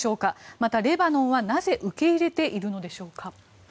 またレバノンは、なぜ受け入れているのでしょうか。